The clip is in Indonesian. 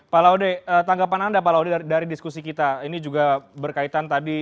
pak laude tanggapan anda pak laude dari diskusi kita ini juga berkaitan tadi